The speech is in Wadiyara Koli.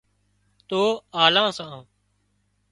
تو آلان سان